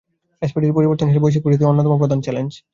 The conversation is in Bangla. এসডিজির জন্য পরিবর্তনশীল বৈশ্বিক পরিস্থিতি অন্যতম প্রধান চ্যালেঞ্জ।